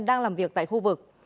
đang làm việc tại khu vực